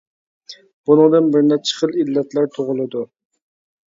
بۇنىڭدىن بىر نەچچە خىل ئىللەتلەر تۇغۇلىدۇ.